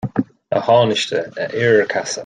A Thánaiste, a Oirirceasa